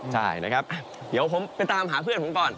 ใช่นะครับเดี๋ยวผมไปตามหาเพื่อนผมก่อน